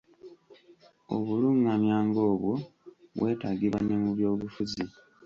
Obulungamya ng'obwo bwetaagibwa ne mu byobufuzi.